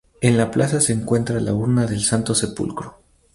En la plaza se encuentra la urna del Santo Sepulcro.